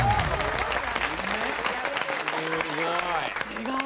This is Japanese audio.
すごい。